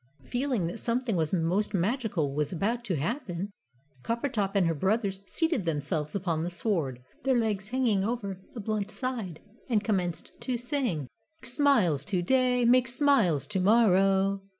Feeling that something most magical was about to happen, Coppertop and her brothers seated themselves upon the sword their legs hanging over the blunt side and commenced to sing: "Smiles to day Make Smiles to morrow."